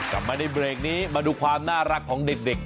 กลับมาในเบรกนี้มาดูความน่ารักของเด็ก